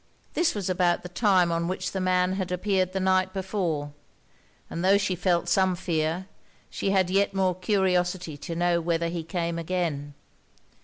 This was about the time on which the man had appeared the night before; and tho' she felt some fear, she had yet more curiosity to know whether he came again.